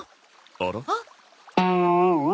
あら？